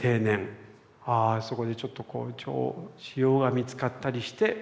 ああそこでちょっと腫瘍が見つかったりして６４歳。